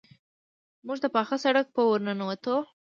موږ د پاخه سړک په ورننوتو.